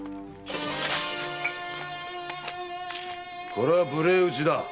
これは無礼討ちだ。